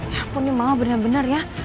ya ampun ini mama benar benar ya